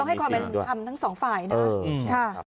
ก็ให้คอมเม็ดทำทั้งสองฝ่ายนะครับ